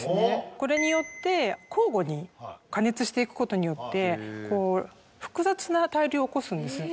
これによって交互に加熱していくことによって複雑な対流を起こすんです